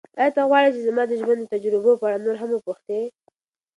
ایا ته غواړې چې زما د ژوند د تجربو په اړه نور هم وپوښتې؟